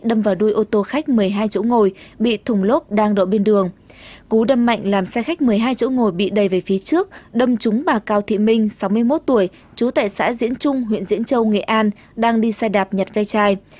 đâm vào đuôi ô tô khách một mươi hai chỗ ngồi bị thùng lốp đang đậu bên đường cú đâm mạnh làm xe khách một mươi hai chỗ ngồi bị đầy về phía trước đâm trúng bà cao thị minh sáu mươi một tuổi trú tại xã diễn trung huyện diễn châu nghệ an đang đi xe đạp nhặt gây chai